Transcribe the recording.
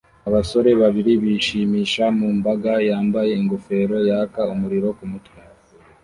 Abasore babiri bishimisha mu mbaga yambaye ingofero yaka umuriro ku mutwe